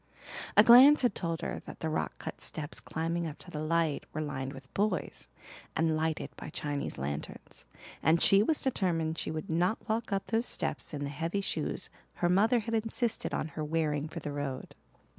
A glance had told her that the rock cut steps climbing up to the light were lined with boys, and lighted by Chinese lanterns, and she was determined she would not walk up those steps in the heavy shoes her mother had insisted on her wearing for the road.